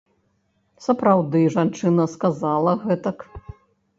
Сапраўды жанчына сказала гэтак.